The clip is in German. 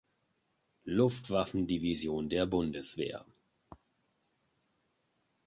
Luftwaffendivision der Bundeswehr.